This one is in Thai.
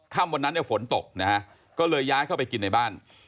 ค่ำวันนั้นฝนตกก็เลยย้ายเข้าไปกินในบ้าน